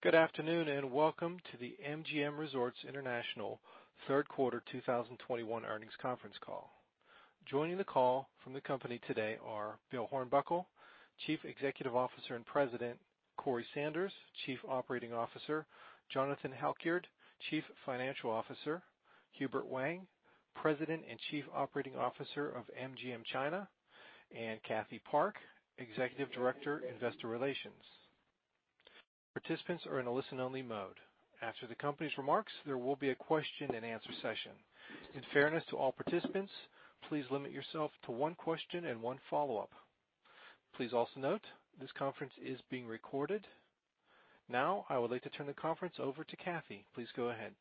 Good afternoon, and welcome to the MGM Resorts International third quarter 2021 earnings conference call. Joining the call from the company today are Bill Hornbuckle, Chief Executive Officer and President, Corey Sanders, Chief Operating Officer, Jonathan Halkyard, Chief Financial Officer, Hubert Wang, President and Chief Operating Officer of MGM China, and Cathy Park, Executive Director, Investor Relations. Participants are in a listen-only mode. After the company's remarks, there will be a question-and-answer session. In fairness to all participants, please limit yourself to one question and one follow-up. Please also note this conference is being recorded. Now, I would like to turn the conference over to Cathy. Please go ahead.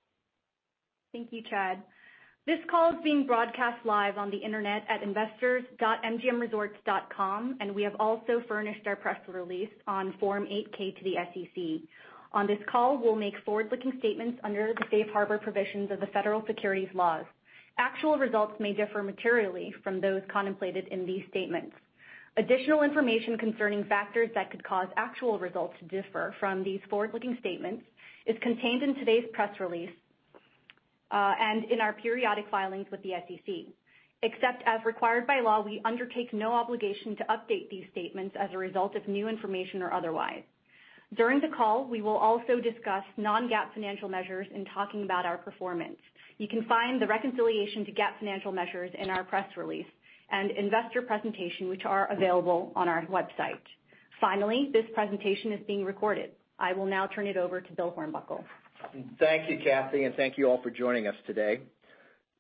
Thank you, Chad. This call is being broadcast live on the Internet at investors.mgmresorts.com, and we have also furnished our press release on Form 8-K to the SEC. On this call, we'll make forward-looking statements under the safe harbor provisions of the Federal Securities Laws. Actual results may differ materially from those contemplated in these statements. Additional information concerning factors that could cause actual results to differ from these forward-looking statements is contained in today's press release, and in our periodic filings with the SEC. Except as required by law, we undertake no obligation to update these statements as a result of new information or otherwise. During the call, we will also discuss non-GAAP financial measures in talking about our performance. You can find the reconciliation to GAAP financial measures in our press release and investor presentation, which are available on our website. Finally, this presentation is being recorded. I will now turn it over to Bill Hornbuckle. Thank you, Cathy, and thank you all for joining us today.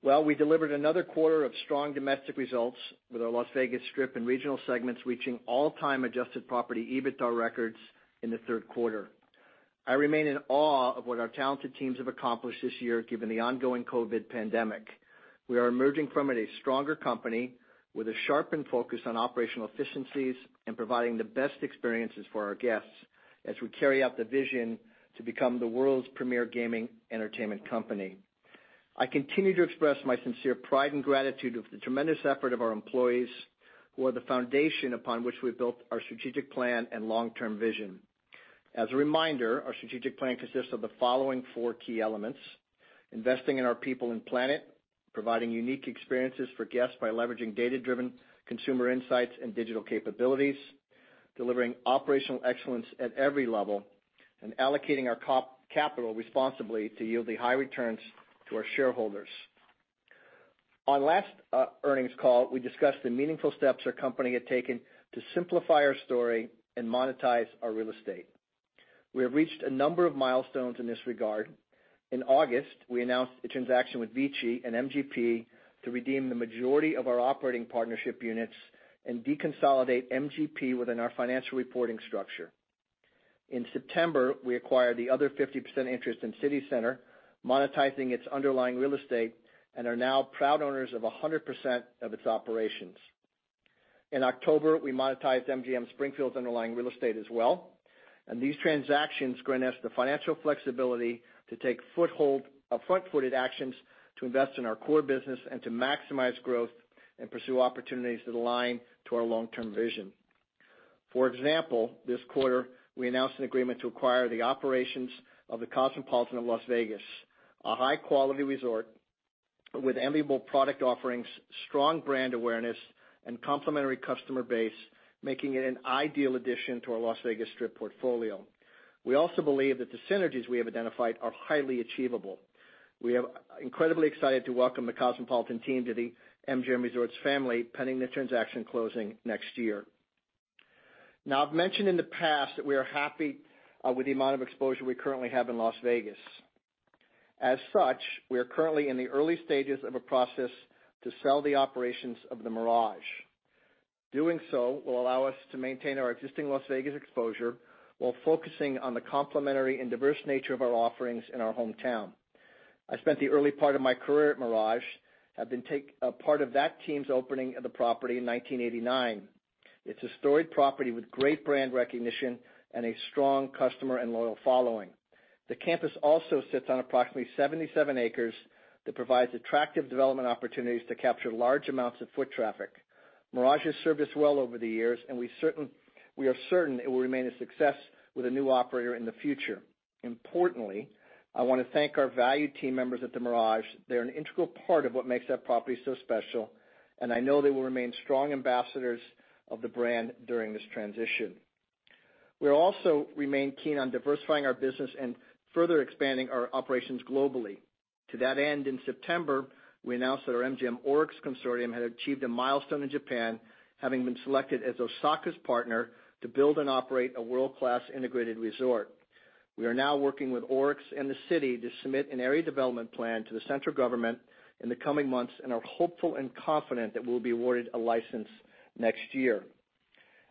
Well, we delivered another quarter of strong domestic results with our Las Vegas Strip Resorts and Regional Operations segments reaching all-time adjusted property EBITDA records in the third quarter. I remain in awe of what our talented teams have accomplished this year given the ongoing COVID pandemic. We are emerging from it a stronger company with a sharpened focus on operational efficiencies and providing the best experiences for our guests as we carry out the vision to become the world's premier gaming entertainment company. I continue to express my sincere pride and gratitude of the tremendous effort of our employees, who are the foundation upon which we've built our strategic plan and long-term vision. As a reminder, our strategic plan consists of the following four key elements, investing in our people and planet, providing unique experiences for guests by leveraging data-driven consumer insights and digital capabilities, delivering operational excellence at every level, and allocating our capital responsibly to yield the high returns to our shareholders. On last earnings call, we discussed the meaningful steps our company had taken to simplify our story and monetize our real estate. We have reached a number of milestones in this regard. In August, we announced a transaction with VICI Properties and MGP to redeem the majority of our operating partnership units and deconsolidate MGP within our financial reporting structure. In September, we acquired the other 50% interest in CityCenter, monetizing its underlying real estate and are now proud owners of 100% of its operations. In October, we monetized MGM Springfield's underlying real estate as well, and these transactions grant us the financial flexibility to take front-footed actions to invest in our core business and to maximize growth and pursue opportunities that align to our long-term vision. For example, this quarter, we announced an agreement to acquire the operations of the Cosmopolitan in Las Vegas, a high-quality resort with viable product offerings, strong brand awareness, and complementary customer base, making it an ideal addition to our Las Vegas Strip Resorts portfolio. We also believe that the synergies we have identified are highly achievable. We are incredibly excited to welcome the Cosmopolitan team to the MGM Resorts family, pending the transaction closing next year. Now, I've mentioned in the past that we are happy with the amount of exposure we currently have in Las Vegas. As such, we are currently in the early stages of a process to sell the operations of The Mirage. Doing so will allow us to maintain our existing Las Vegas exposure while focusing on the complementary and diverse nature of our offerings in our hometown. I spent the early part of my career at Mirage, have been a part of that team's opening of the property in 1989. It's a storied property with great brand recognition and a strong customer and loyal following. The campus also sits on approximately 77 acres that provides attractive development opportunities to capture large amounts of foot traffic. Mirage has served us well over the years, and we are certain it will remain a success with a new operator in the future. Importantly, I wanna thank our valued team members at The Mirage. They're an integral part of what makes that property so special, and I know they will remain strong ambassadors of the brand during this transition. We also remain keen on diversifying our business and further expanding our operations globally. To that end, in September, we announced that our MGM-ORIX consortium had achieved a milestone in Japan, having been selected as Osaka's partner to build and operate a world-class integrated resort. We are now working with ORIX and the city to submit an area development plan to the central government in the coming months and are hopeful and confident that we'll be awarded a license next year.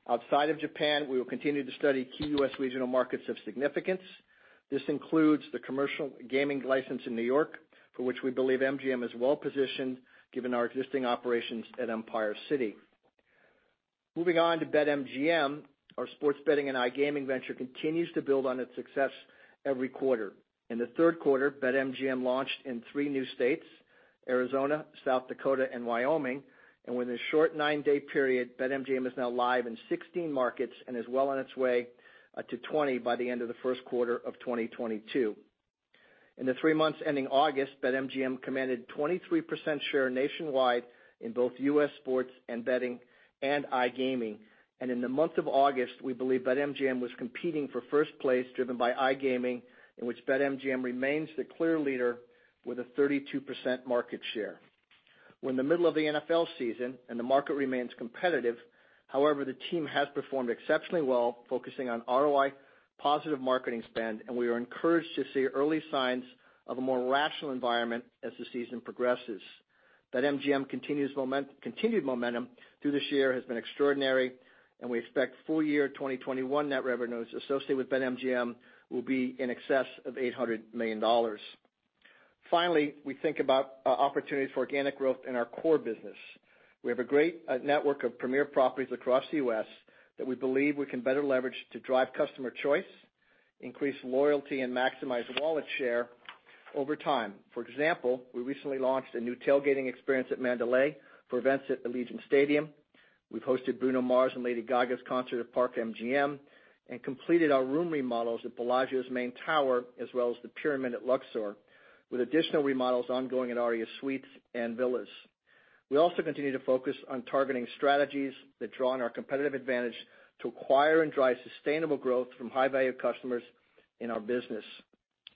Outside of Japan, we will continue to study key U.S. regional markets of significance. This includes the commercial gaming license in New York, for which we believe MGM is well-positioned given our existing operations at Empire City. Moving on to BetMGM, our sports betting and iGaming venture continues to build on its success every quarter. In the third quarter, BetMGM launched in three new states. Arizona, South Dakota, and Wyoming. Within a short 9-day period, BetMGM is now live in 16 markets and is well on its way to 20 by the end of the first quarter of 2022. In the three months ending August, BetMGM commanded 23% share nationwide in both U.S. sports betting and iGaming. In the month of August, we believe BetMGM was competing for first place, driven by iGaming, in which BetMGM remains the clear leader with a 32% market share. We're in the middle of the NFL season, and the market remains competitive. However, the team has performed exceptionally well, focusing on ROI-positive marketing spend, and we are encouraged to see early signs of a more rational environment as the season progresses. BetMGM continued momentum through this year has been extraordinary, and we expect full year 2021 net revenues associated with BetMGM will be in excess of $800 million. Finally, we think about opportunities for organic growth in our core business. We have a great network of premier properties across the U.S. that we believe we can better leverage to drive customer choice, increase loyalty, and maximize wallet share over time. For example, we recently launched a new tailgating experience at Mandalay Bay for events at Allegiant Stadium. We've hosted Bruno Mars and Lady Gaga's concert at Park MGM and completed our room remodels at Bellagio's main tower, as well as The Pyramid at Luxor, with additional remodels ongoing at Aria Suites and Villas. We also continue to focus on targeting strategies that draw on our competitive advantage to acquire and drive sustainable growth from high-value customers in our business.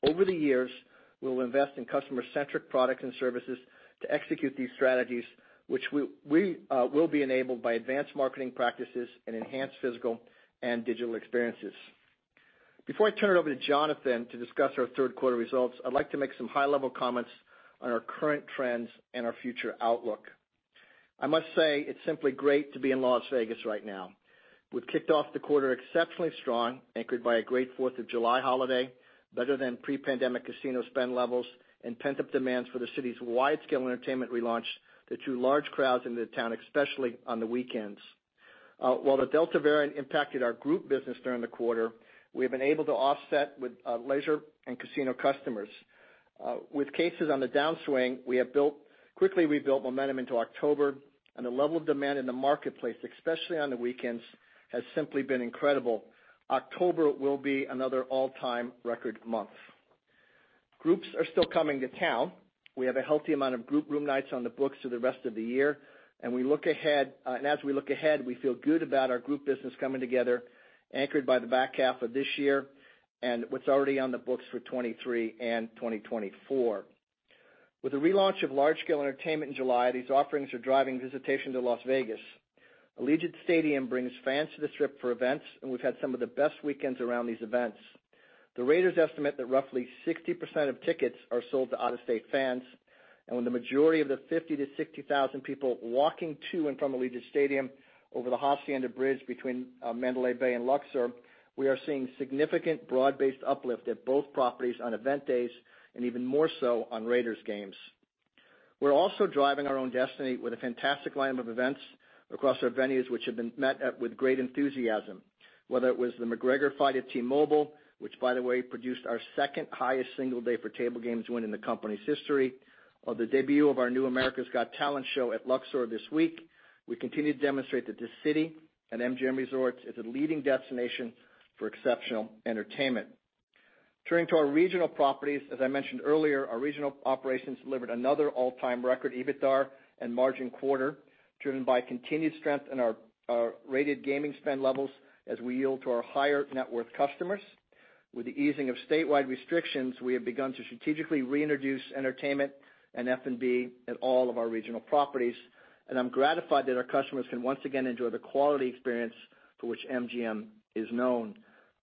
Over the years, we will invest in customer-centric products and services to execute these strategies, which will be enabled by advanced marketing practices and enhanced physical and digital experiences. Before I turn it over to Jonathan to discuss our third quarter results, I'd like to make some high-level comments on our current trends and our future outlook. I must say, it's simply great to be in Las Vegas right now. We've kicked off the quarter exceptionally strong, anchored by a great Fourth of July holiday, better than pre-pandemic casino spend levels, and pent-up demands for the city's wide-scale entertainment relaunch that drew large crowds into the town, especially on the weekends. While the Delta variant impacted our group business during the quarter, we have been able to offset with leisure and casino customers. With cases on the downswing, we have quickly rebuilt momentum into October, and the level of demand in the marketplace, especially on the weekends, has simply been incredible. October will be another all-time record month. Groups are still coming to town. We have a healthy amount of group room nights on the books for the rest of the year, and as we look ahead, we feel good about our group business coming together, anchored by the back half of this year and what's already on the books for 2023 and 2024. With the relaunch of large-scale entertainment in July, these offerings are driving visitation to Las Vegas. Allegiant Stadium brings fans to the Strip for events, and we've had some of the best weekends around these events. The Raiders estimate that roughly 60% of tickets are sold to out-of-state fans, and when the majority of the 50,000-60,000 people walking to and from Allegiant Stadium over the Hacienda Bridge between Mandalay Bay and Luxor, we are seeing significant broad-based uplift at both properties on event days and even more so on Raiders games. We're also driving our own destiny with a fantastic lineup of events across our venues which have been met with great enthusiasm. Whether it was the McGregor fight at T-Mobile, which by the way produced our second-highest single day for table games win in the company's history, or the debut of our new America's Got Talent show at Luxor this week, we continue to demonstrate that this city and MGM Resorts is a leading destination for exceptional entertainment. Turning to our Regional Properties, as I mentioned earlier, our Regional Operations delivered another all-time record EBITDAR and margin quarter, driven by continued strength in our rated gaming spend levels as we yield to our higher net worth customers. With the easing of statewide restrictions, we have begun to strategically reintroduce entertainment and F&B at all of our Regional Properties, and I'm gratified that our customers can once again enjoy the quality experience for which MGM is known.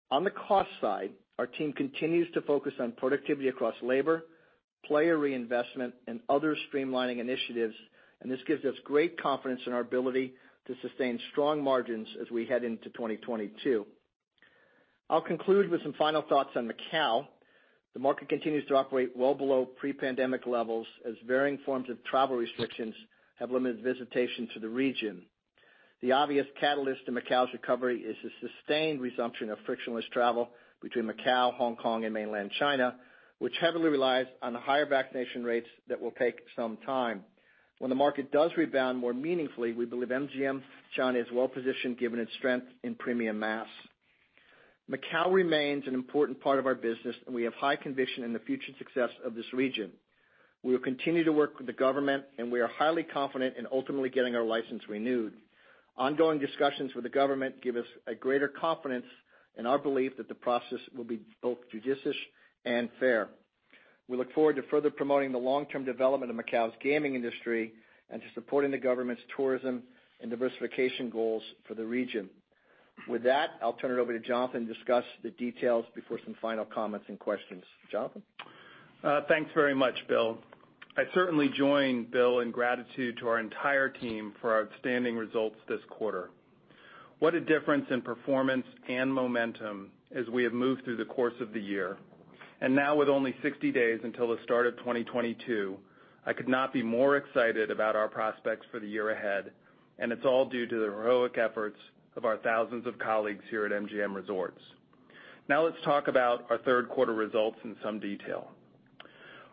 On the cost side, our team continues to focus on productivity across labor, player reinvestment, and other streamlining initiatives, and this gives us great confidence in our ability to sustain strong margins as we head into 2022. I'll conclude with some final thoughts on Macau. The market continues to operate well below pre-pandemic levels as varying forms of travel restrictions have limited visitation to the region. The obvious catalyst to Macau's recovery is the sustained resumption of frictionless travel between Macau, Hong Kong, and mainland China, which heavily relies on the higher vaccination rates that will take some time. When the market does rebound more meaningfully, we believe MGM China is well-positioned, given its strength in premium mass. Macau remains an important part of our business, and we have high conviction in the future success of this region. We will continue to work with the government, and we are highly confident in ultimately getting our license renewed. Ongoing discussions with the government give us a greater confidence in our belief that the process will be both judicious and fair. We look forward to further promoting the long-term development of Macau's gaming industry and to supporting the government's tourism and diversification goals for the region. With that, I'll turn it over to Jonathan to discuss the details before some final comments and questions. Jonathan? Thanks very much, Bill. I certainly join Bill in gratitude to our entire team for our outstanding results this quarter. What a difference in performance and momentum as we have moved through the course of the year. Now with only 60 days until the start of 2022, I could not be more excited about our prospects for the year ahead, and it's all due to the heroic efforts of our thousands of colleagues here at MGM Resorts. Now let's talk about our third quarter results in some detail.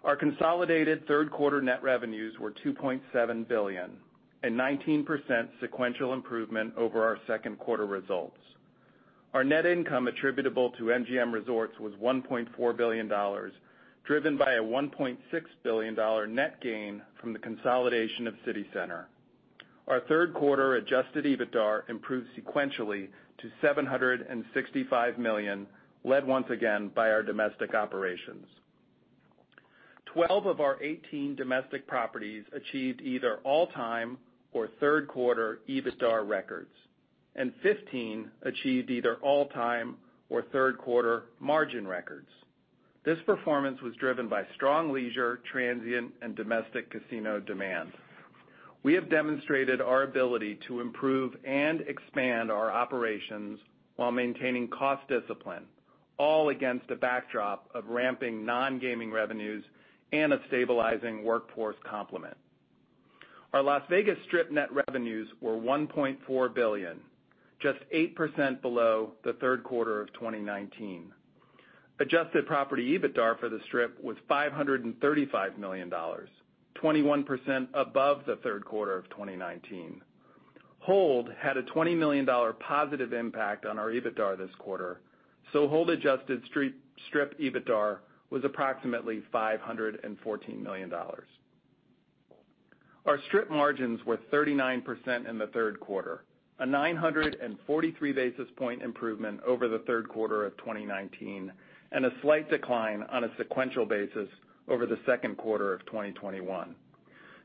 Our consolidated third quarter net revenues were $2.7 billion, a 19% sequential improvement over our second quarter results. Our net income attributable to MGM Resorts was $1.4 billion, driven by a $1.6 billion net gain from the consolidation of CityCenter. Our third quarter adjusted EBITDA improved sequentially to $765 million, led once again by our domestic operations. 12 of our 18 domestic properties achieved either all-time or third quarter EBITDA records, and 15 achieved either all-time or third quarter margin records. This performance was driven by strong leisure, transient and domestic casino demand. We have demonstrated our ability to improve and expand our operations while maintaining cost discipline, all against a backdrop of ramping non-gaming revenues and a stabilizing workforce complement. Our Las Vegas Strip Resorts net revenues were $1.4 billion, just 8% below the third quarter of 2019. Adjusted property EBITDA for the Las Vegas Strip Resorts was $535 million, 21% above the third quarter of 2019. Hold had a $20 million positive impact on our EBITDA this quarter, so hold-adjusted Las Vegas Strip Resorts EBITDA was approximately $514 million. Our Las Vegas Strip Resorts margins were 39% in the third quarter, a 943 basis point improvement over the third quarter of 2019, and a slight decline on a sequential basis over the second quarter of 2021.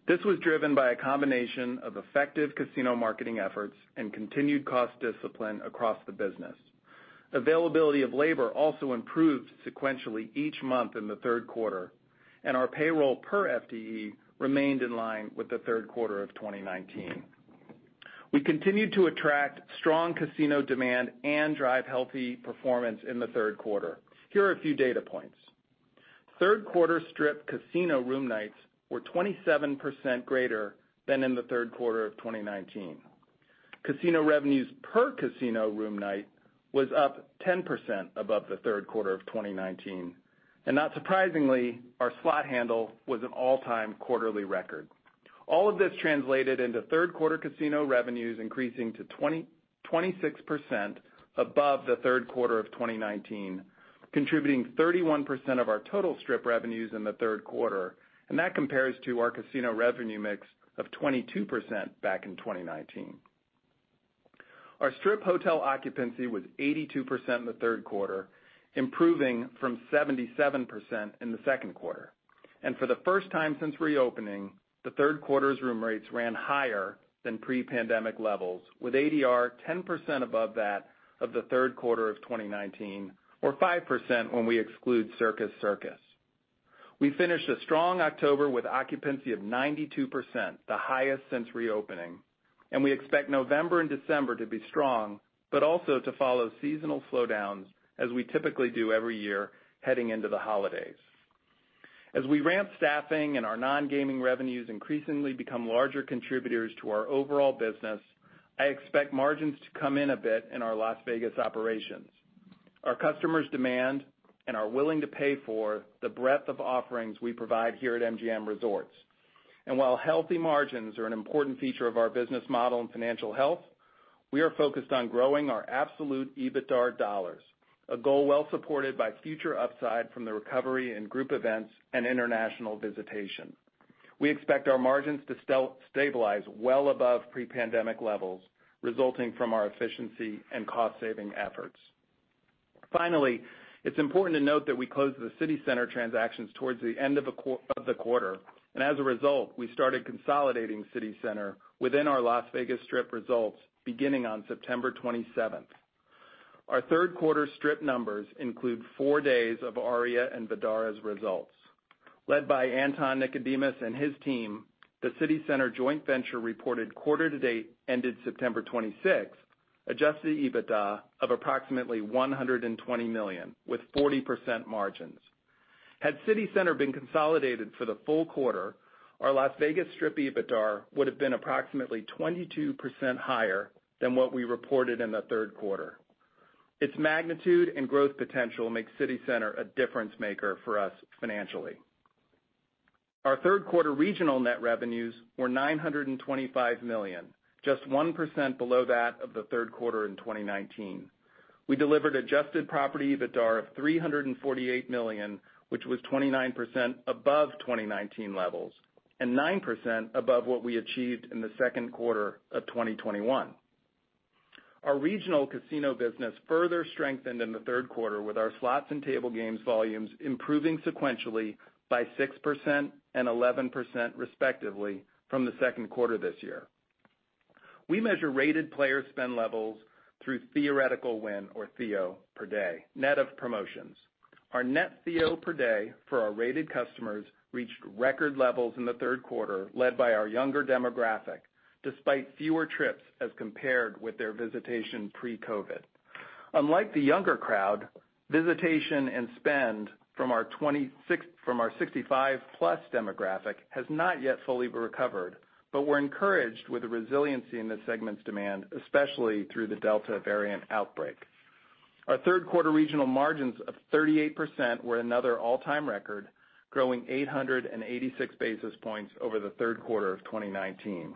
This was driven by a combination of effective casino marketing efforts and continued cost discipline across the business. Availability of labor also improved sequentially each month in the third quarter, and our payroll per FTE remained in line with the third quarter of 2019. We continued to attract strong casino demand and drive healthy performance in the third quarter. Here are a few data points. Third quarter Las Vegas Strip Resorts casino room nights were 27% greater than in the third quarter of 2019. Casino revenues per casino room night was up 10% above the third quarter of 2019. Not surprisingly, our slot handle was an all-time quarterly record. All of this translated into third quarter casino revenues increasing to 26% above the third quarter of 2019, contributing 31% of our total Las Vegas Strip Resorts revenues in the third quarter, and that compares to our casino revenue mix of 22% back in 2019. Our Las Vegas Strip Resorts hotel occupancy was 82% in the third quarter, improving from 77% in the second quarter. For the first time since reopening, the third quarter's room rates ran higher than pre-pandemic levels, with ADR 10% above that of the third quarter of 2019, or 5% when we exclude Circus Circus Las Vegas. We finished a strong October with occupancy of 92%, the highest since reopening, and we expect November and December to be strong, but also to follow seasonal slowdowns as we typically do every year heading into the holidays. As we ramp staffing and our non-gaming revenues increasingly become larger contributors to our overall business, I expect margins to come in a bit in our Las Vegas operations. Our customers demand and are willing to pay for the breadth of offerings we provide here at MGM Resorts. While healthy margins are an important feature of our business model and financial health, we are focused on growing our absolute EBITDA dollars, a goal well supported by future upside from the recovery in group events and international visitation. We expect our margins to stabilize well above pre-pandemic levels, resulting from our efficiency and cost-saving efforts. Finally, it's important to note that we closed the CityCenter transactions towards the end of the quarter, and as a result, we started consolidating CityCenter within our Las Vegas Strip Resorts results beginning on September 27th. Our third quarter Las Vegas Strip Resorts numbers include four days of Aria and Vdara's results. Led by Anton Nikodemus and his team, the CityCenter joint venture reported quarter to date ended September 26th, adjusted EBITDA of approximately $120 million, with 40% margins. Had CityCenter been consolidated for the full quarter, our Las Vegas Strip Resorts EBITDA would have been approximately 22% higher than what we reported in the third quarter. Its magnitude and growth potential makes CityCenter a difference maker for us financially. Our third quarter regional net revenues were $925 million, just 1% below that of the third quarter in 2019. We delivered adjusted property EBITDA of $348 million, which was 29% above 2019 levels and 9% above what we achieved in the second quarter of 2021. Our regional casino business further strengthened in the third quarter with our slots and table games volumes improving sequentially by 6% and 11% respectively from the second quarter this year. We measure rated player spend levels through theoretical win, or Theo, per day, net of promotions. Our net Theo per day for our rated customers reached record levels in the third quarter, led by our younger demographic, despite fewer trips as compared with their visitation pre-COVID. Unlike the younger crowd, visitation and spend from our 65+ demographic has not yet fully recovered, but we're encouraged with the resiliency in this segment's demand, especially through the Delta variant outbreak. Our third quarter regional margins of 38% were another all-time record, growing 886 basis points over the third quarter of 2019.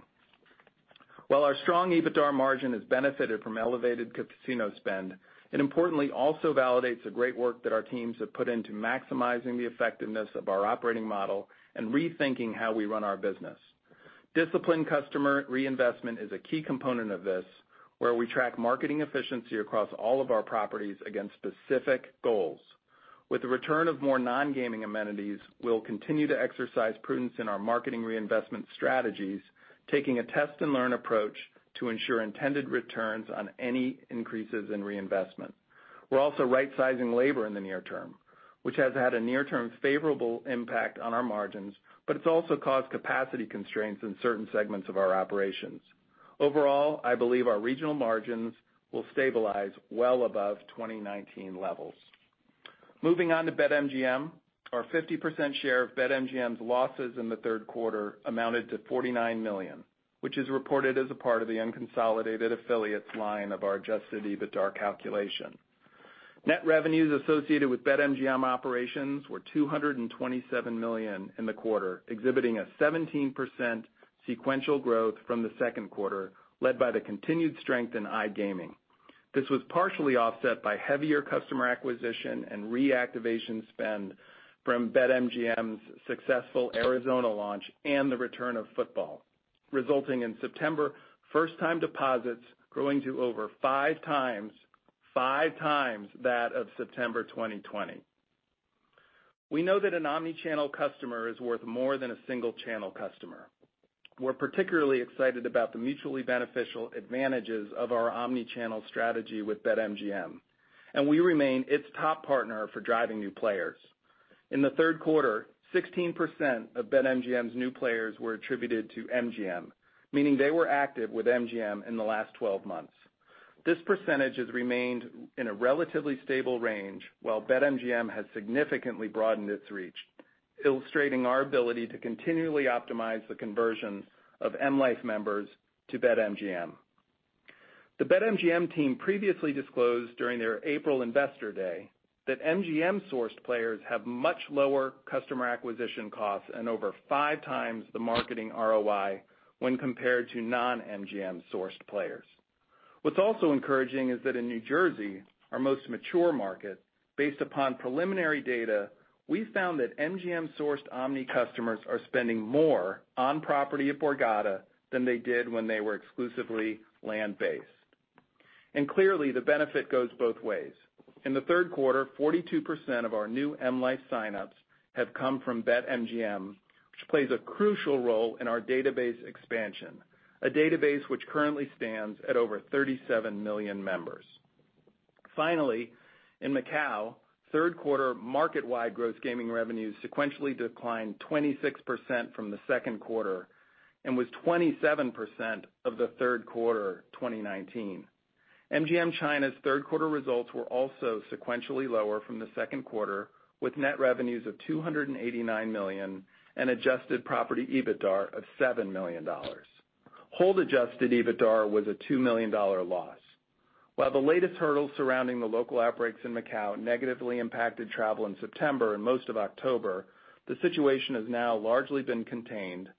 While our strong EBITDAR margin has benefited from elevated casino spend, it importantly also validates the great work that our teams have put into maximizing the effectiveness of our operating model and rethinking how we run our business. Disciplined customer reinvestment is a key component of this, where we track marketing efficiency across all of our properties against specific goals. With the return of more non-gaming amenities, we'll continue to exercise prudence in our marketing reinvestment strategies, taking a test-and-learn approach to ensure intended returns on any increases in reinvestment. We're also rightsizing labor in the near term, which has had a near-term favorable impact on our margins, but it's also caused capacity constraints in certain segments of our operations. Overall, I believe our regional margins will stabilize well above 2019 levels. Moving on to BetMGM, our 50% share of BetMGM's losses in the third quarter amounted to $49 million, which is reported as a part of the unconsolidated affiliates line of our adjusted EBITDAR calculation. Net revenues associated with BetMGM operations were $227 million in the quarter, exhibiting a 17% sequential growth from the second quarter, led by the continued strength in iGaming. This was partially offset by heavier customer acquisition and reactivation spend from BetMGM's successful Arizona launch and the return of football, resulting in September first-time deposits growing to over 5x that of September 2020. We know that an omni-channel customer is worth more than a single-channel customer. We're particularly excited about the mutually beneficial advantages of our omni-channel strategy with BetMGM, and we remain its top partner for driving new players. In the third quarter, 16% of BetMGM's new players were attributed to MGM, meaning they were active with MGM in the last twelve months. This percentage has remained in a relatively stable range while BetMGM has significantly broadened its reach, illustrating our ability to continually optimize the conversions of M life members to BetMGM. The BetMGM team previously disclosed during their April Investor Day that MGM-sourced players have much lower customer acquisition costs and over five times the marketing ROI when compared to non-MGM-sourced players. What's also encouraging is that in New Jersey, our most mature market, based upon preliminary data, we found that MGM-sourced Omni customers are spending more on property at Borgata than they did when they were exclusively land-based. Clearly, the benefit goes both ways. In the third quarter, 42% of our new M life signups have come from BetMGM, which plays a crucial role in our database expansion, a database which currently stands at over 37 million members. Finally, in Macau, third quarter market-wide gross gaming revenues sequentially declined 26% from the second quarter and was 27% of the third quarter of 2019. MGM China's third quarter results were also sequentially lower from the second quarter, with net revenues of $289 million and adjusted property EBITDAR of $7 million. Hold adjusted EBITDAR was a $2 million loss. While the latest hurdles surrounding the local outbreaks in Macau negatively impacted travel in September and most of October, the situation has now largely been contained,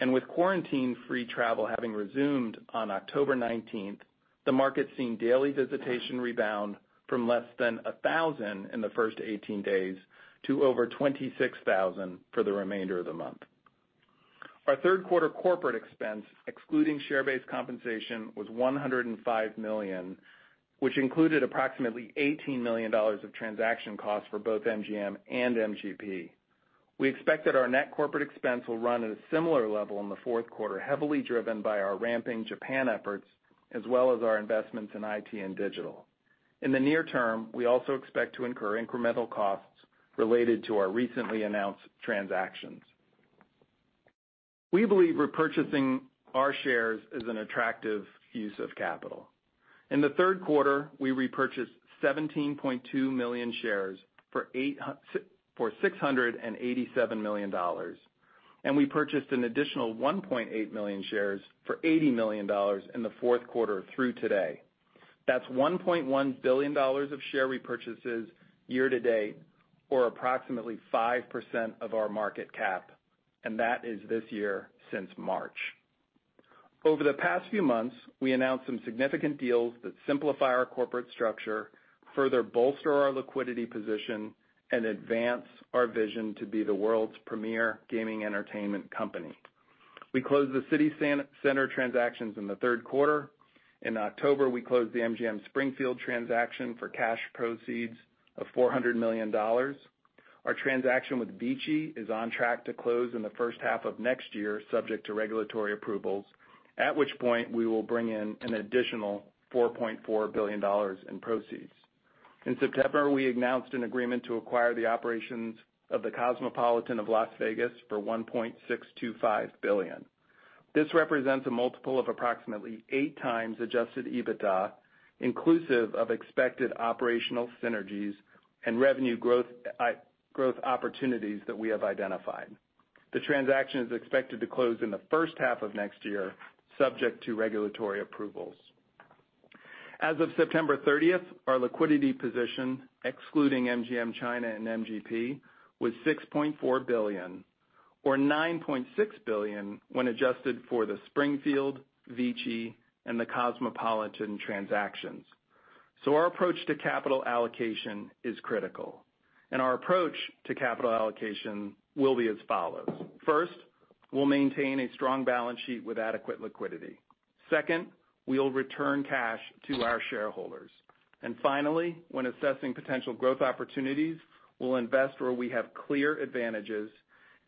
and with quarantine-free travel having resumed on October 19th, the market's seeing daily visitation rebound from less than 1,000 in the first 18 days to over 26,000 for the remainder of the month. Our third quarter corporate expense, excluding share-based compensation, was $105 million, which included approximately $18 million of transaction costs for both MGM and MGP. We expect that our net corporate expense will run at a similar level in the fourth quarter, heavily driven by our ramping Japan efforts as well as our investments in IT and digital. In the near term, we also expect to incur incremental costs related to our recently announced transactions. We believe repurchasing our shares is an attractive use of capital. In the third quarter, we repurchased 17.2 million shares for $687 million, and we purchased an additional 1.8 million shares for $80 million in the fourth quarter through today. That's $1.1 billion of share repurchases year to date, or approximately 5% of our market cap, and that is this year since March. Over the past few months, we announced some significant deals that simplify our corporate structure, further bolster our liquidity position, and advance our vision to be the world's premier gaming entertainment company. We closed the CityCenter transactions in the third quarter. In October, we closed the MGM Springfield transaction for cash proceeds of $400 million. Our transaction with VICI Properties is on track to close in the first half of next year, subject to regulatory approvals, at which point we will bring in an additional $4.4 billion in proceeds. In September, we announced an agreement to acquire the operations of The Cosmopolitan of Las Vegas for $1.625 billion. This represents a multiple of approximately 8x adjusted EBITDA, inclusive of expected operational synergies and revenue growth opportunities that we have identified. The transaction is expected to close in the first half of next year, subject to regulatory approvals. As of September 30th, our liquidity position, excluding MGM China and MGP, was $6.4 billion, or $9.6 billion when adjusted for the Springfield, VICI Properties and The Cosmopolitan transactions. Our approach to capital allocation is critical, and our approach to capital allocation will be as follows. First, we'll maintain a strong balance sheet with adequate liquidity. Second, we'll return cash to our shareholders. Finally, when assessing potential growth opportunities, we'll invest where we have clear advantages,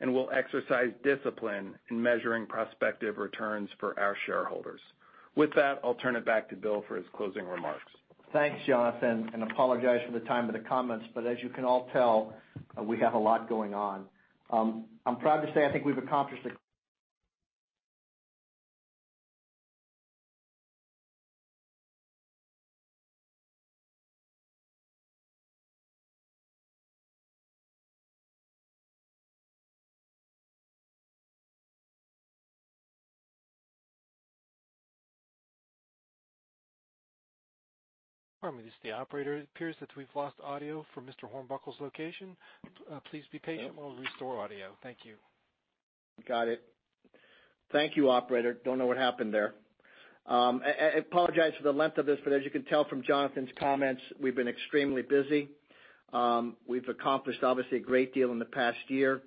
and we'll exercise discipline in measuring prospective returns for our shareholders. With that, I'll turn it back to Bill for his closing remarks. Thanks, Jonathan, and apologize for the time of the comments, but as you can all tell, we have a lot going on. I'm proud to say I think we've accomplished. Pardon me, this is the operator. It appears that we've lost audio from Mr. Hornbuckle's location. Please be patient while we restore audio. Thank you. Got it. Thank you, operator. Don't know what happened there. I apologize for the length of this, but as you can tell from Jonathan's comments, we've been extremely busy. We've accomplished, obviously, a great deal in the past year,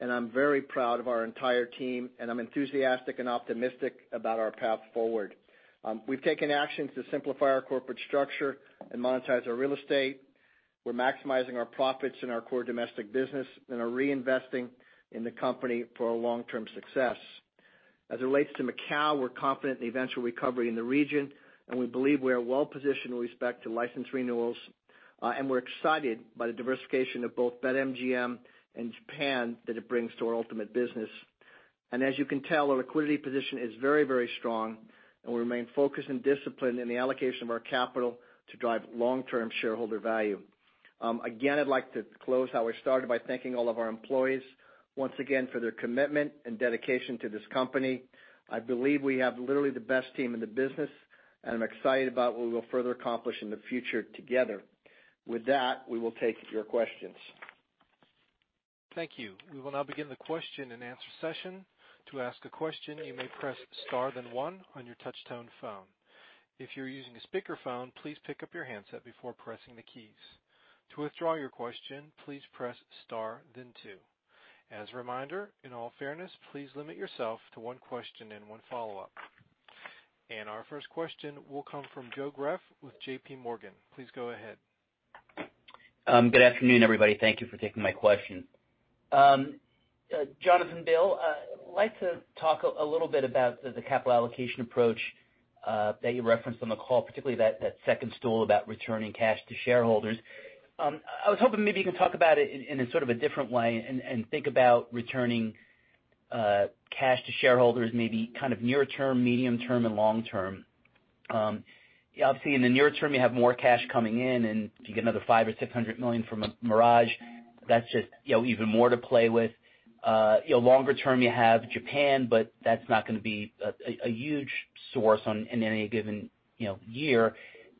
and I'm very proud of our entire team, and I'm enthusiastic and optimistic about our path forward. We've taken actions to simplify our corporate structure and monetize our real estate. We're maximizing our profits in our core domestic business and are reinvesting in the company for our long-term success. As it relates to Macau, we're confident in the eventual recovery in the region, and we believe we are well-positioned with respect to license renewals, and we're excited by the diversification of both BetMGM and Japan that it brings to our ultimate business. As you can tell, our liquidity position is very, very strong, and we remain focused and disciplined in the allocation of our capital to drive long-term shareholder value. Again, I'd like to close how I started by thanking all of our employees once again for their commitment and dedication to this company. I believe we have literally the best team in the business, and I'm excited about what we will further accomplish in the future together. With that, we will take your questions. Thank you. We will now begin the question-and-answer session. To ask a question, you may press star then one on your touch-tone phone. If you're using a speakerphone, please pick up your handset before pressing the keys. To withdraw your question, please press star then two. As a reminder, in all fairness, please limit yourself to one question and one follow-up. Our first question will come from Joe Greff with JPMorgan. Please go ahead. Good afternoon, everybody. Thank you for taking my question. Jonathan, Bill, I'd like to talk a little bit about the capital allocation approach that you referenced on the call, particularly that second stool about returning cash to shareholders. I was hoping maybe you could talk about it in a sort of a different way and think about returning cash to shareholders maybe kind of near term, medium term, and long term. Obviously, in the near term, you have more cash coming in, and if you get another $500 million-$600 million from Mirage, that's just, you know, even more to play with. You know, longer term, you have Japan, but that's not going to be a huge source in any given year.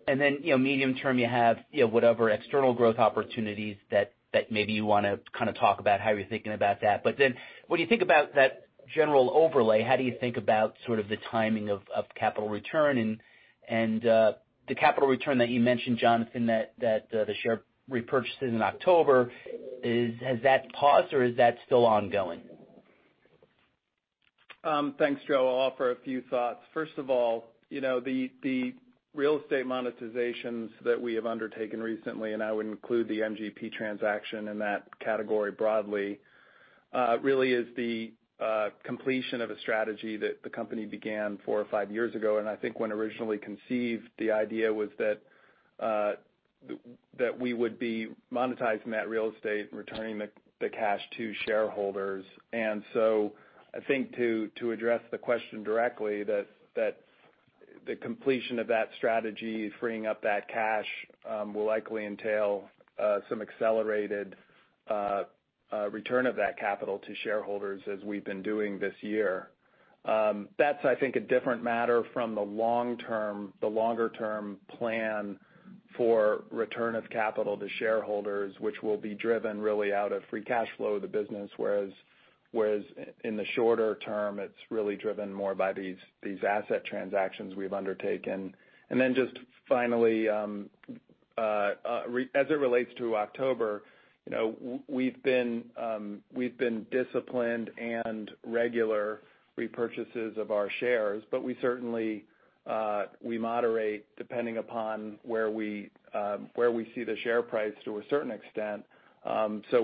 Then, you know, medium term, you have, you know, whatever external growth opportunities that maybe you want to kind of talk about how you're thinking about that. But then when you think about that general overlay, how do you think about sort of the timing of capital return? The capital return that you mentioned, Jonathan, the share repurchases in October, has that paused, or is that still ongoing? Thanks, Joe. I'll offer a few thoughts. First of all, you know, the real estate monetizations that we have undertaken recently, and I would include the MGP transaction in that category broadly, really is the completion of a strategy that the company began four or five years ago. I think when originally conceived, the idea was that that we would be monetizing that real estate and returning the cash to shareholders. I think to address the question directly, that the completion of that strategy, freeing up that cash, will likely entail some accelerated return of that capital to shareholders as we've been doing this year. That's, I think, a different matter from the long term, the longer-term plan for return of capital to shareholders, which will be driven really out of free cash flow of the business, whereas in the shorter term, it's really driven more by these asset transactions we've undertaken. Then just finally, as it relates to October, you know, we've been disciplined and regular repurchases of our shares, but we certainly moderate depending upon where we see the share price to a certain extent.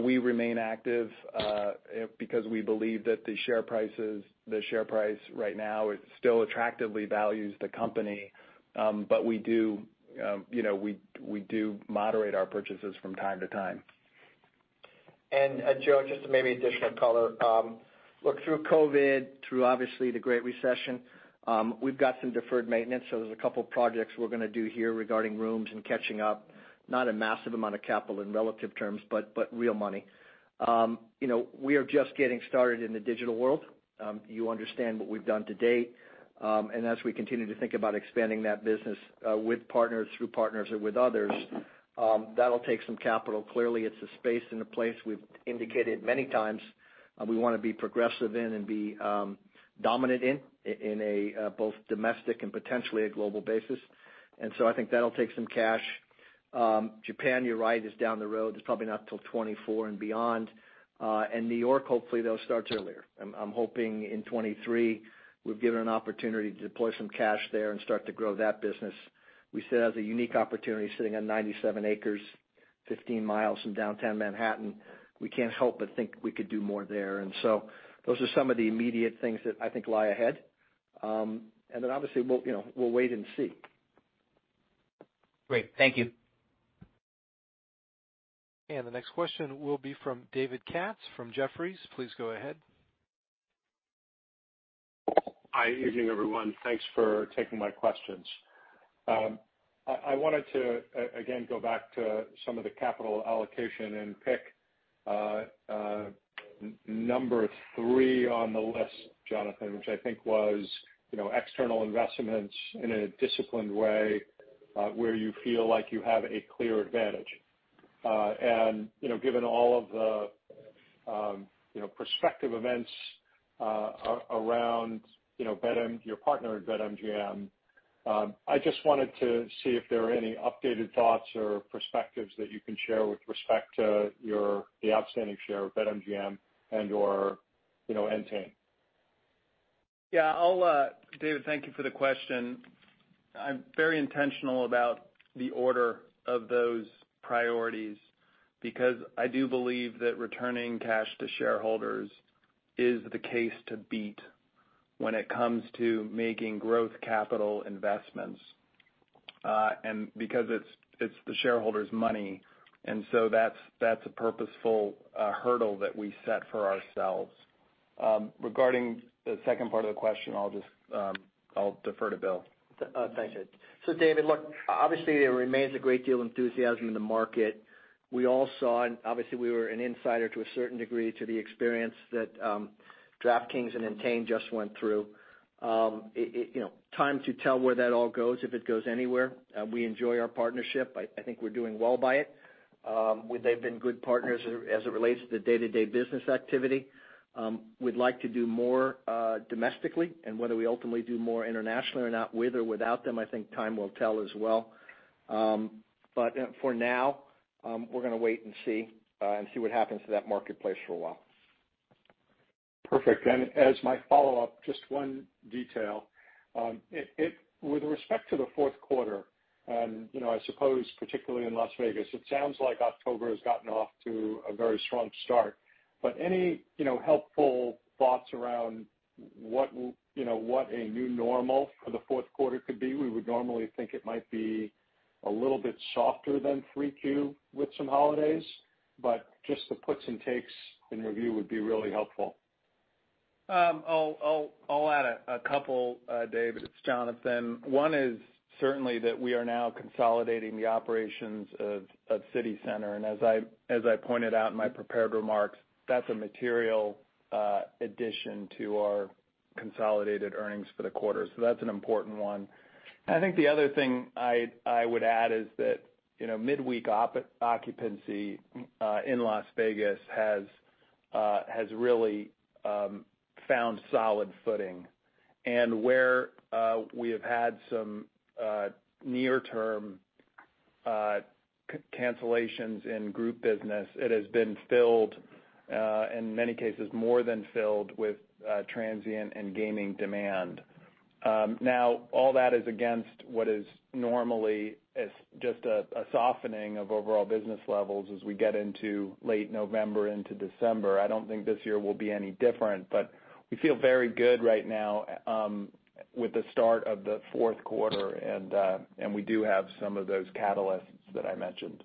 We remain active because we believe that the share price right now still attractively values the company. We do, you know, we do moderate our purchases from time to time. Joe, just maybe additional color. Look through COVID through obviously the Great Recession, we've got some deferred maintenance, so there's a couple projects we're gonna do here regarding rooms and catching up. Not a massive amount of capital in relative terms, but real money. You know, we are just getting started in the digital world. You understand what we've done to date. As we continue to think about expanding that business, with partners, through partners or with others, that'll take some capital. Clearly, it's a space and a place we've indicated many times, we wanna be progressive in and be dominant in both domestic and potentially a global basis. I think that'll take some cash. Japan, you're right, is down the road. It's probably not till 2024 and beyond. New York, hopefully they'll start earlier. I'm hoping in 2023, we've given an opportunity to deploy some cash there and start to grow that business. We see it as a unique opportunity sitting on 97 ac, 15 mi from downtown Manhattan. We can't help but think we could do more there. Those are some of the immediate things that I think lie ahead. Obviously, we'll, you know, wait and see. Great. Thank you. The next question will be from David Katz from Jefferies. Please go ahead. Good evening, everyone. Thanks for taking my questions. I wanted to again go back to some of the capital allocation and pick number three on the list, Jonathan, which I think was, you know, external investments in a disciplined way, where you feel like you have a clear advantage. You know, given all of the prospective events around BetMGM, your partner, Entain, I just wanted to see if there are any updated thoughts or perspectives that you can share with respect to your outstanding share of BetMGM and/or, you know, Entain. Yeah. I'll, David, thank you for the question. I'm very intentional about the order of those priorities because I do believe that returning cash to shareholders is the case to beat when it comes to making growth capital investments. Because it's the shareholders' money, that's a purposeful hurdle that we set for ourselves. Regarding the second part of the question, I'll defer to Bill. Thanks, Dave. David, look, obviously, there remains a great deal of enthusiasm in the market. We all saw, and obviously we were insiders to a certain degree, to the experience that DraftKings and Entain just went through. It, you know, time will tell where that all goes, if it goes anywhere. We enjoy our partnership. I think we're doing well by it. They've been good partners as it relates to the day-to-day business activity. We'd like to do more domestically and whether we ultimately do more internationally or not, with or without them, I think time will tell as well. For now, we're gonna wait and see, and see what happens to that marketplace for a while. Perfect. As my follow-up, just one detail. With respect to the fourth quarter, you know, I suppose particularly in Las Vegas, it sounds like October has gotten off to a very strong start. But any, you know, helpful thoughts around what, you know, what a new normal for the fourth quarter could be? We would normally think it might be a little bit softer than 3Q with some holidays, but just the puts and takes and review would be really helpful. I'll add a couple, David. It's Jonathan. One is certainly that we are now consolidating the operations of CityCenter. As I pointed out in my prepared remarks, that's a material addition to our consolidated earnings for the quarter. That's an important one. I think the other thing I would add is that, you know, midweek occupancy in Las Vegas has really found solid footing. Where we have had some near term cancellations in group business, it has been filled in many cases more than filled with transient and gaming demand. Now all that is against what is normally just a softening of overall business levels as we get into late November into December. I don't think this year will be any different, but we feel very good right now with the start of the fourth quarter, and we do have some of those catalysts that I mentioned.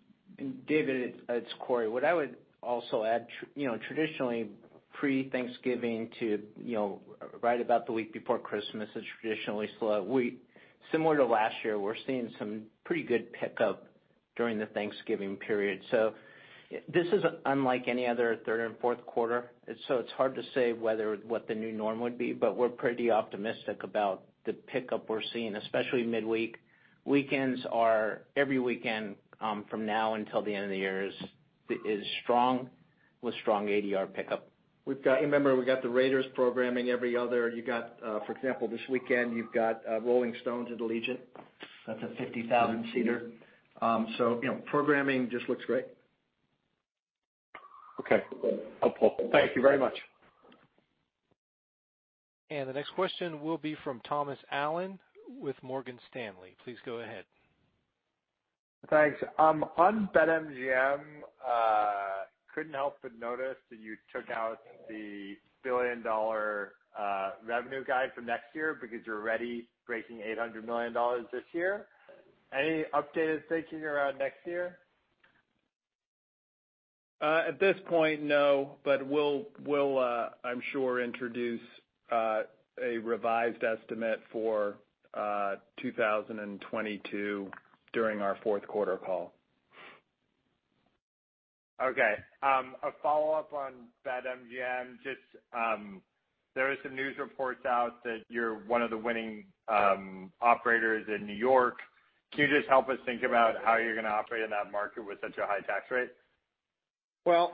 David, it's Corey. What I would also add, you know, traditionally pre-Thanksgiving to, you know, right about the week before Christmas is traditionally slow. Similar to last year, we're seeing some pretty good pickup during the Thanksgiving period. This is unlike any other third and fourth quarter. It's hard to say what the new norm would be, but we're pretty optimistic about the pickup we're seeing, especially midweek. Weekends are every weekend from now until the end of the year is strong with strong ADR pickup. We've got—remember, we got the Raiders programming every other. You got, for example, this weekend you've got, Rolling Stones at Allegiant. That's a 50,000-seater. So, you know, programming just looks great. Okay. Helpful. Thank you very much. The next question will be from Thomas Allen with Morgan Stanley. Please go ahead. Thanks. On BetMGM, couldn't help but notice that you took out the billion-dollar revenue guide for next year because you're already breaking $800 million this year. Any updated thinking around next year? At this point, no, but we'll, I'm sure, introduce a revised estimate for 2022 during our fourth quarter call. Okay. A follow-up on BetMGM, just, there are some news reports out that you're one of the winning operators in New York. Can you just help us think about how you're gonna operate in that market with such a high tax rate? Well,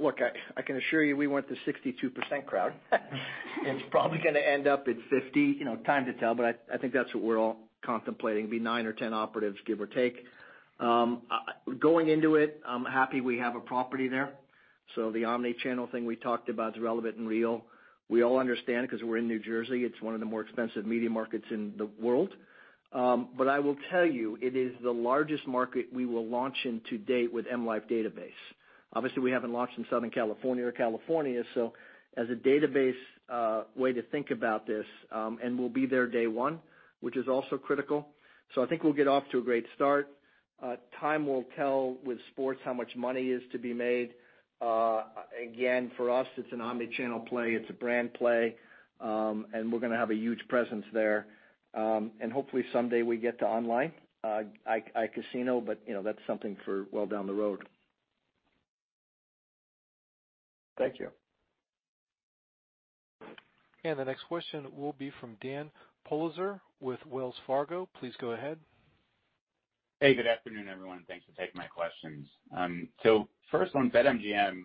look, I can assure you we weren't the 62% crowd. It's probably gonna end up at 50%, you know, time will tell, but I think that's what we're all contemplating. It'll be 9 or 10 operators, give or take. Going into it, I'm happy we have a property there. The omni-channel thing we talked about is relevant and real. We all understand because we're in New Jersey, it's one of the more expensive media markets in the world. I will tell you, it is the largest market we will launch in to date with M life database. Obviously, we haven't launched in Southern California or California, so as a database, way to think about this, and we'll be there day one, which is also critical. I think we'll get off to a great start. Time will tell with sports how much money is to be made. Again, for us, it's an omni-channel play, it's a brand play, and we're gonna have a huge presence there. Hopefully someday we get to online iCasino, but you know, that's something for well down the road. Thank you. The next question will be from Dan Politzer with Wells Fargo. Please go ahead. Hey, good afternoon, everyone. Thanks for taking my questions. So first on BetMGM,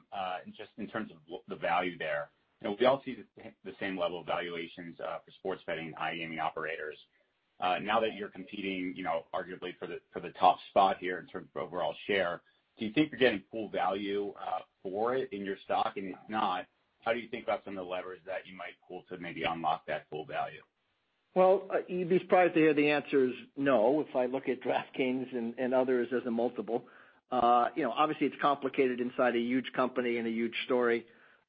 just in terms of the value there, you know, we all see the same level of valuations for sports betting, iGaming operators. Now that you're competing, you know, arguably for the top spot here in terms of overall share, do you think you're getting full value for it in your stock? If not, how do you think about some of the levers that you might pull to maybe unlock that full value? Well, you'd be surprised to hear the answer is no. If I look at DraftKings and others as a multiple, you know, obviously it's complicated inside a huge company and a huge story.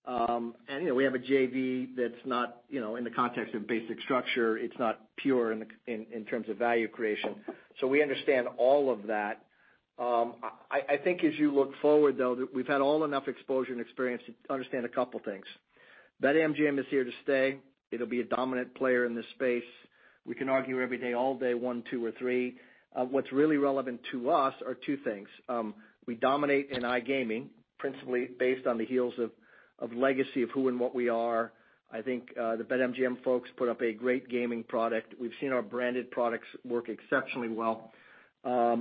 You know, we have a JV that's not, you know, in the context of basic structure, it's not pure in terms of value creation. We understand all of that. I think as you look forward, though, that we've had enough exposure and experience to understand a couple things. BetMGM is here to stay. It'll be a dominant player in this space. We can argue every day, all day, one, two, or three. What's really relevant to us are two things. We dominate in iGaming, principally based on the heels of legacy of who and what we are. I think, the BetMGM folks put up a great gaming product. We've seen our branded products work exceptionally well.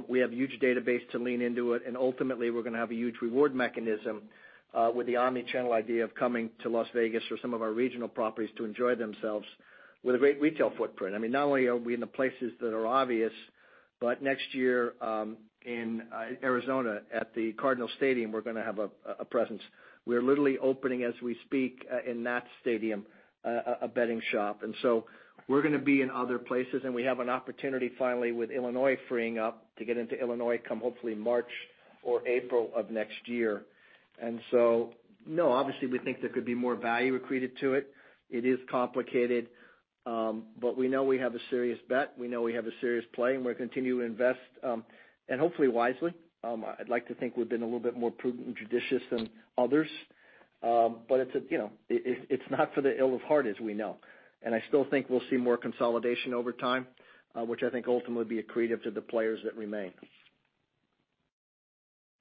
We have huge database to lean into it, and ultimately, we're gonna have a huge reward mechanism, with the omni-channel idea of coming to Las Vegas or some of our Regional Properties to enjoy themselves with a great retail footprint. I mean, not only are we in the places that are obvious, but next year, in Arizona at the Cardinals' stadium, we're gonna have a presence. We're literally opening as we speak, in that stadium, a betting shop. We're gonna be in other places, and we have an opportunity finally with Illinois freeing up to get into Illinois, come hopefully March or April of next year. No, obviously, we think there could be more value accreted to it. It is complicated, but we know we have a serious bet. We know we have a serious play, and we're gonna continue to invest, and hopefully wisely. I'd like to think we've been a little bit more prudent and judicious than others. It's, you know, not for the faint of heart as we know. I still think we'll see more consolidation over time, which I think ultimately will be accretive to the players that remain.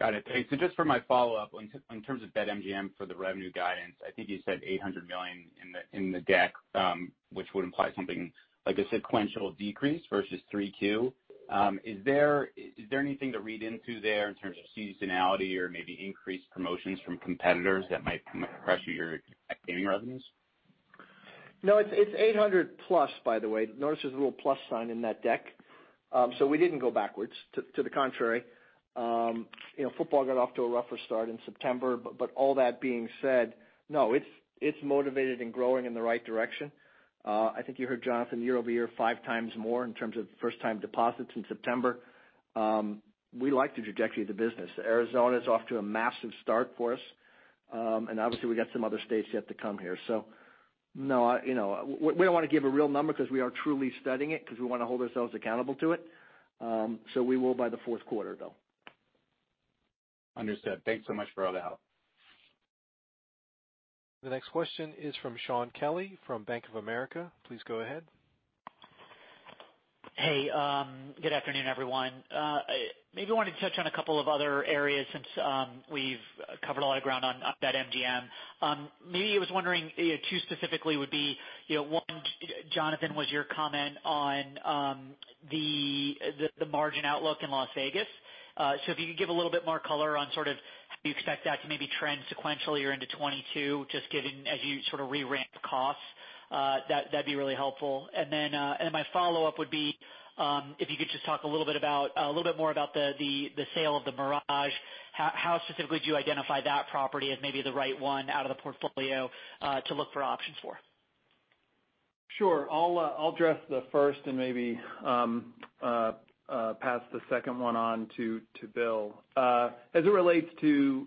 Got it. Thanks. Just for my follow-up, in terms of BetMGM for the revenue guidance, I think you said $800 million in the deck, which would imply something like a sequential decrease versus Q3. Is there anything to read into there in terms of seasonality or maybe increased promotions from competitors that might pressure your iGaming revenues? No, it's $800 million+, by the way. Notice there's a little plus sign in that deck. We didn't go backwards. To the contrary, you know, football got off to a rougher start in September. All that being said, no, it's motivated and growing in the right direction. I think you heard Jonathan year-over-year, 5x more in terms of first-time deposits in September. We like the trajectory of the business. Arizona is off to a massive start for us, and obviously, we got some other states yet to come here. No, I, you know, we don't wanna give a real number because we are truly studying it because we wanna hold ourselves accountable to it. We will by the fourth quarter, though. Understood. Thanks so much for all the help. The next question is from Shaun Kelley from Bank of America. Please go ahead. Hey, good afternoon, everyone. Maybe wanted to touch on a couple of other areas since we've covered a lot of ground on BetMGM. Maybe I was wondering, two specifically would be, you know, one, Jonathan, was your comment on the margin outlook in Las Vegas. So if you could give a little bit more color on sort of how you expect that to maybe trend sequentially or into 2022, just given as you sort of re-ramp costs, that'd be really helpful. Then my follow-up would be, if you could just talk a little bit more about the sale of The Mirage, how specifically do you identify that property as maybe the right one out of the portfolio to look for options for? Sure. I'll address the first and maybe pass the second one on to Bill. As it relates to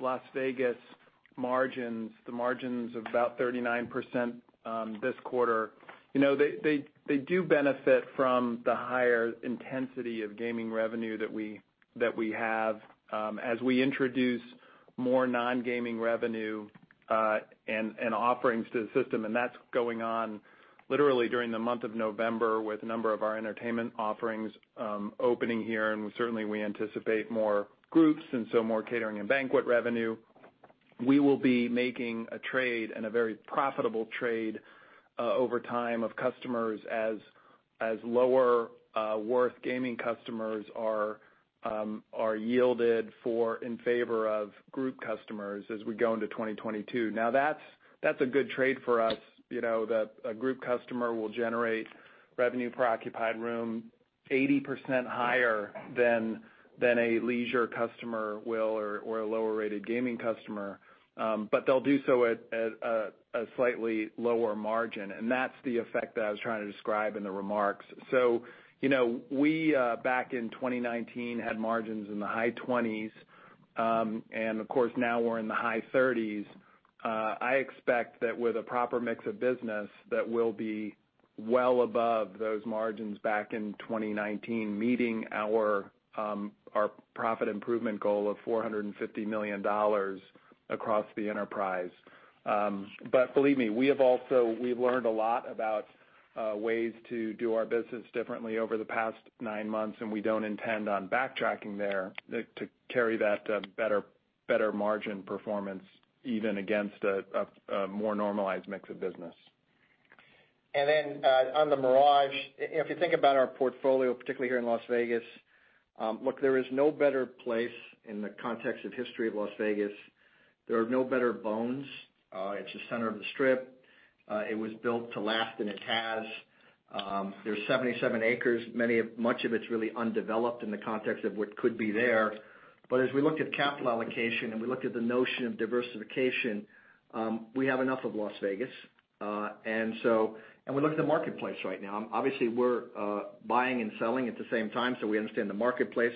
Las Vegas. Margins, the margins of about 39%, this quarter, you know, they do benefit from the higher intensity of gaming revenue that we have. As we introduce more non-gaming revenue and offerings to the system, and that's going on literally during the month of November with a number of our entertainment offerings opening here, and certainly we anticipate more groups and so more catering and banquet revenue. We will be making a trade and a very profitable trade over time of customers as lower worth gaming customers are yielded in favor of group customers as we go into 2022. That's a good trade for us, you know, that a group customer will generate revenue per occupied room 80% higher than a leisure customer will or a lower rated gaming customer. But they'll do so at a slightly lower margin. That's the effect that I was trying to describe in the remarks. You know, we back in 2019 had margins in the high 20s, and of course now we're in the high 30s. I expect that with a proper mix of business that we'll be well above those margins back in 2019, meeting our profit improvement goal of $450 million across the enterprise. Believe me, we have also we've learned a lot about ways to do our business differently over the past nine months, and we don't intend on backtracking there, to carry that better margin performance even against a more normalized mix of business. Then, on The Mirage, if you think about our portfolio, particularly here in Las Vegas, look, there is no better place in the context of history of Las Vegas. There are no better bones. It's the center of the Strip. It was built to last, and it has. There's 77 ac. Much of it's really undeveloped in the context of what could be there. As we looked at capital allocation and we looked at the notion of diversification, we have enough of Las Vegas. We look at the marketplace right now. Obviously, we're buying and selling at the same time, so we understand the marketplace.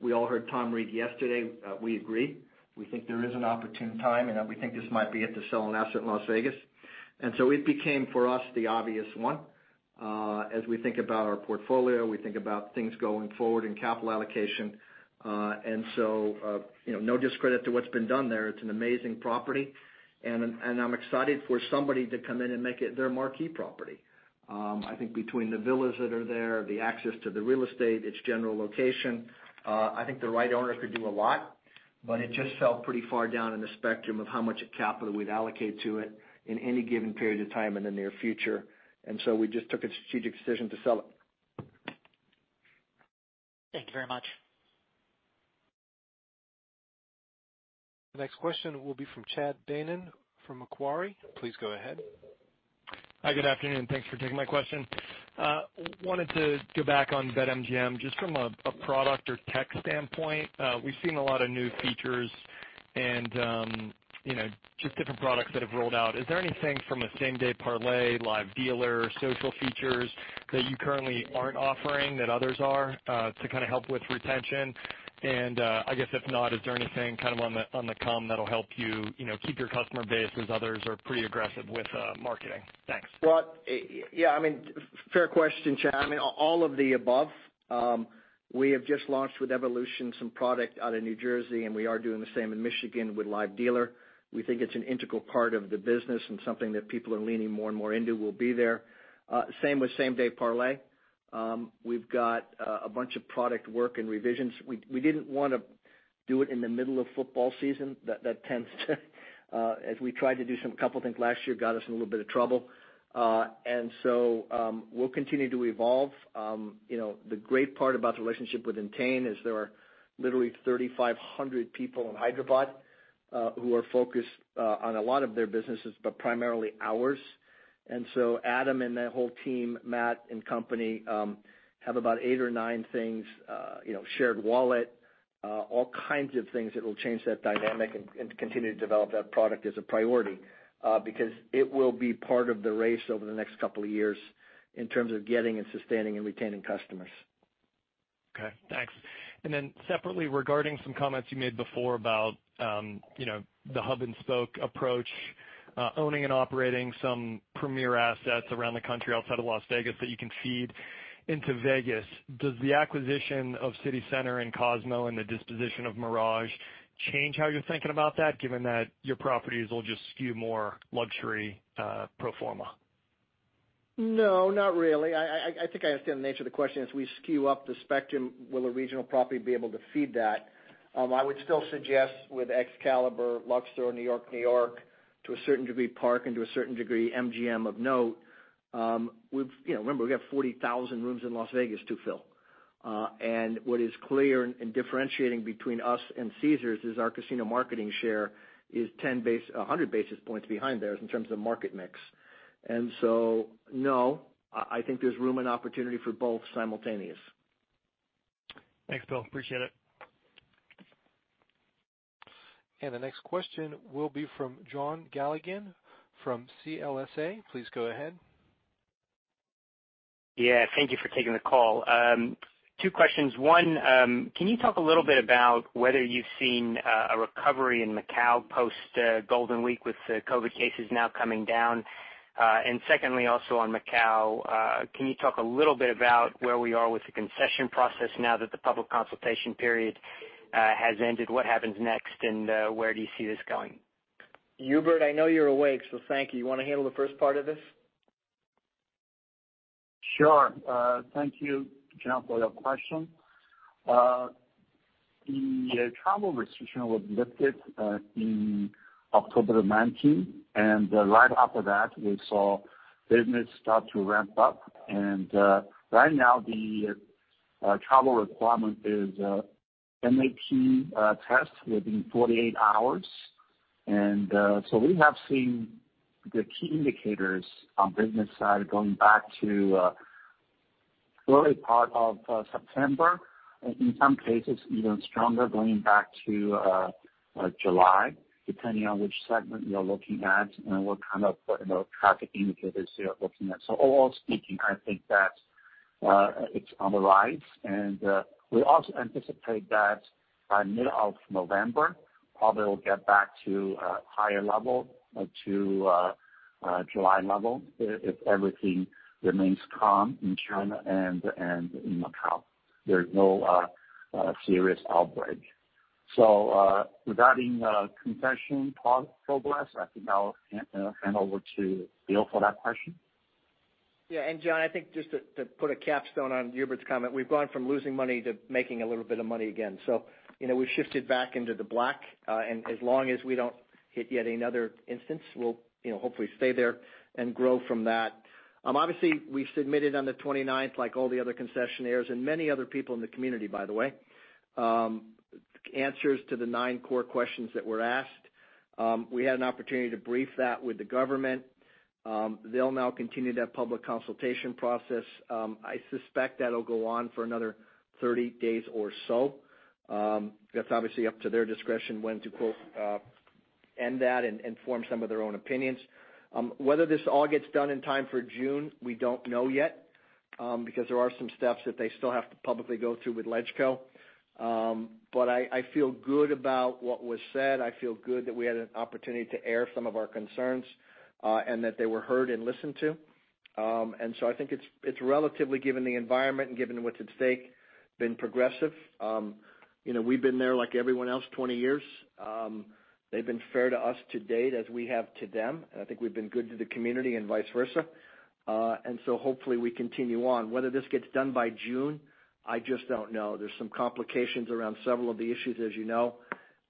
We all heard Tom Reeg yesterday. We agree. We think there is an opportune time, and we think this might be it to sell an asset in Las Vegas. It became, for us, the obvious one. As we think about our portfolio, we think about things going forward in capital allocation. You know, no discredit to what's been done there. It's an amazing property, and I'm excited for somebody to come in and make it their marquee property. I think between the villas that are there, the access to the real estate, its general location, I think the right owner could do a lot, but it just fell pretty far down in the spectrum of how much capital we'd allocate to it in any given period of time in the near future. We just took a strategic decision to sell it. Thank you very much. The next question will be from Chad Beynon from Macquarie. Please go ahead. Hi, good afternoon, and thanks for taking my question. Wanted to go back on BetMGM, just from a product or tech standpoint. We've seen a lot of new features and, you know, just different products that have rolled out. Is there anything from a same-day parlay, live dealer, social features that you currently aren't offering that others are, to kind of help with retention? And, I guess if not, is there anything kind of on the come that'll help you know, keep your customer base as others are pretty aggressive with, marketing? Thanks. Well, yeah, I mean, fair question, Chad. I mean, all of the above. We have just launched with Evolution Gaming some product out of New Jersey, and we are doing the same in Michigan with live dealer. We think it's an integral part of the business and something that people are leaning more and more into will be there. Same with same-day parlay. We've got a bunch of product work and revisions. We didn't wanna do it in the middle of football season. That tends to, as we tried to do a couple things last year, got us in a little bit of trouble. We'll continue to evolve. You know, the great part about the relationship with Entain is there are literally 3,500 people in Hyderabad who are focused on a lot of their businesses, but primarily ours. Adam and that whole team, Matt and company, have about 8 or 9 things, you know, shared wallet, all kinds of things that will change that dynamic and continue to develop that product as a priority because it will be part of the race over the next couple of years in terms of getting and sustaining and retaining customers. Okay, thanks. Separately, regarding some comments you made before about, you know, the hub-and-spoke approach, owning and operating some premier assets around the country outside of Las Vegas that you can feed into Vegas. Does the acquisition of CityCenter and The Cosmopolitan of Las Vegas and the disposition of The Mirage change how you're thinking about that, given that your properties will just skew more luxury, pro forma? No, not really. I think I understand the nature of the question. As we skew up the spectrum, will a Regional Property be able to feed that? I would still suggest with Excalibur, Luxor, New York-New York, to a certain degree Park and to a certain degree MGM of note, we've, you know, remember, we have 40,000 rooms in Las Vegas to fill. What is clear in differentiating between us and Caesars Entertainment is our casino market share is 100 basis points behind theirs in terms of market mix. No, I think there's room and opportunity for both simultaneously. Thanks, Bill. Appreciate it. The next question will be from Jon Galligan from CLSA. Please go ahead. Yeah, thank you for taking the call. Two questions. One, can you talk a little bit about whether you've seen a recovery in Macau post Golden Week with the COVID cases now coming down? Secondly, also on Macau, can you talk a little bit about where we are with the concession process now that the public consultation period has ended? What happens next, and where do you see this going? Hubert, I know you're awake, so thank you. You wanna handle the first part of this? Sure. Thank you, Jon, for your question. The travel restriction was lifted in October 2019, and right after that, we saw business start to ramp up. Right now the travel requirement is NAT test within 48 hours. We have seen the key indicators on business side going back to early part of September. In some cases, even stronger going back to July, depending on which segment you're looking at and what kind of, you know, traffic indicators you're looking at. Overall speaking, I think that it's on the rise. We also anticipate that by mid-November, probably we'll get back to higher level to July level if everything remains calm in China and in Macau. There's no serious outbreak. Regarding concession progress, I think I'll hand over to Bill for that question. Jon, I think just to put a capstone on Hubert's comment, we've gone from losing money to making a little bit of money again. You know, we've shifted back into the black, and as long as we don't hit yet another instance, we'll you know, hopefully stay there and grow from that. Obviously we've submitted on the 29th like all the other concessionaires, and many other people in the community by the way, answers to the nine core questions that were asked. We had an opportunity to brief that with the government. They'll now continue that public consultation process. I suspect that'll go on for another 30 days or so. That's obviously up to their discretion when to quote end that and form some of their own opinions. Whether this all gets done in time for June, we don't know yet, because there are some steps that they still have to publicly go through with LegCo. I feel good about what was said. I feel good that we had an opportunity to air some of our concerns, and that they were heard and listened to. I think it's relatively, given the environment and given what's at stake, been progressive. You know, we've been there like everyone else, 20 years. They've been fair to us to date as we have to them, and I think we've been good to the community and vice versa. Hopefully we continue on. Whether this gets done by June, I just don't know. There's some complications around several of the issues, as you know.